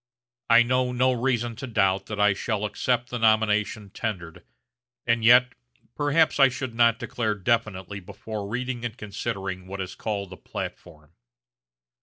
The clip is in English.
I know no reason to doubt that I shall accept the nomination tendered and yet, perhaps I should not declare definitely before reading and considering what is called the platform.